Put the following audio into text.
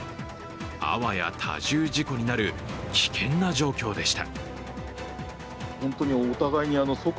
あわや多重事故になる危険な状況でした。